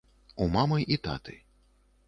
У мамы і таты.